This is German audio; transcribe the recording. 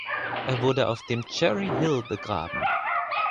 Er wurde auf dem Cherry Hill begraben.